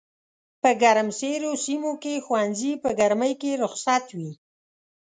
په ګرمسېرو سيمو کښي ښوونځي په ګرمۍ کي رخصت وي